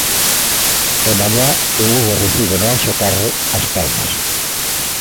E mañá o Lugo recibe no Anxo Carro As Palmas.